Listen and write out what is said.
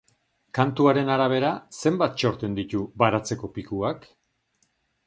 Kantuaren arabera, zenbat txorten ditu baratzeko pikuak?